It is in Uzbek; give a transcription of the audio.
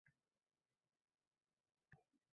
Kamina ana shu haqda so‘zlashga qaror qildim